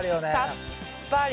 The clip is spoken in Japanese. さっぱり！